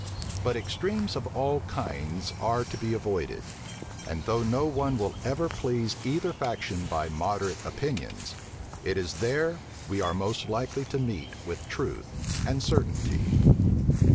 But extremes of all kinds are to be avoided; and though no one will ever please either faction by moderate opinions, it is there we are most likely to meet with truth and certainty.